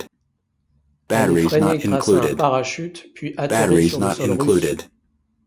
Elle est freinée grâce à un parachute puis atterrit sur le sol russe.